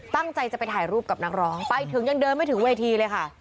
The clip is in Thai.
ตั้งใจจะไปถ่ายรูปกับนักร้องไปถึงยังเดินไม่ถึงเวทีเลยค่ะ